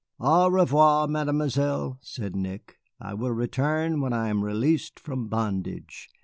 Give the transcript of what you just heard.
"Au revoir, Mademoiselle," said Nick, "I will return when I am released from bondage.